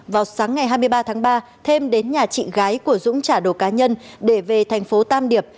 vào sáng ngày hai mươi ba tháng ba thêm đến nhà chị gái của dũng trả đồ cá nhân để về thành phố tam điệp